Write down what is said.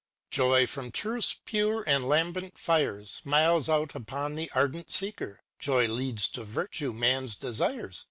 Joy from Truth's pure and lambent fires. Smiles out upon the ardent seeker; Joy leads to virtue man's desires.